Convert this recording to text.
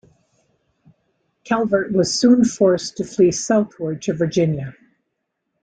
Calvert was soon forced to flee southward to Virginia.